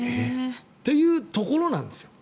そういうところなんですよ。